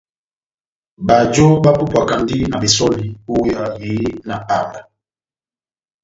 Bajo bapupwakandi na besὸli ó iweya yehé na amba.